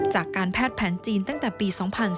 จากการแพทย์แผนจีนตั้งแต่ปี๒๔